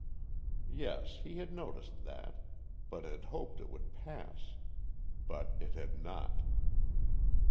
Yes, he had noticed that, but had hoped it would pass. But it had not.